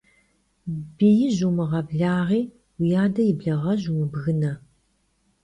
Biij vumığeblaği, vui ade yi blağej vumıbgıne.